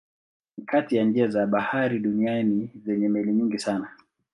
Ni kati ya njia za bahari duniani zenye meli nyingi sana.